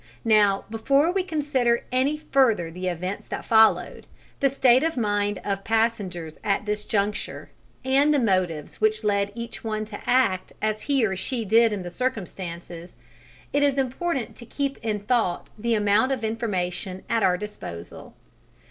Now, before we consider any further the events that followed, the state of mind of passengers at this juncture, and the motives which led each one to act as he or she did in the circumstances, it is important to keep in thought the amount of information at our disposal.